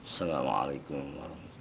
assalamualaikum warahmatullahi wabarakatuh